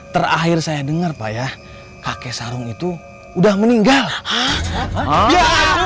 terakhir saya dengar pak ya kakek sarung itu nggak ada di rumah itu